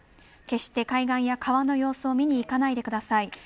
決して海岸や川の様子を見に行かないでください。